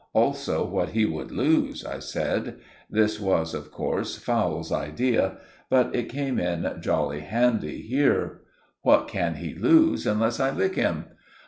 "Also what he would lose," I said. This was, of course, Fowle's idea, but it came in jolly handy here. "What can he lose unless I lick him?"